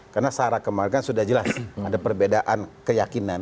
karena searah kemarin kan sudah jelas ada perbedaan keyakinan